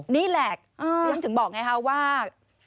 นี่แหละยังถึงบอกไงครับว่า